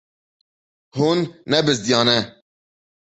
Hûn nebizdiyane.